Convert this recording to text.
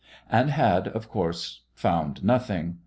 And had, of course, found nothing.